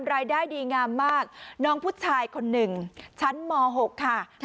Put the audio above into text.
รายได้ดีงามมากน้องผู้ชายคนหนึ่งชั้นม๖ค่ะ